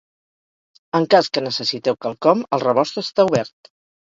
En cas que necessiteu quelcom, el rebost està obert.